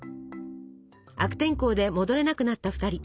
悪天候で戻れなくなった２人。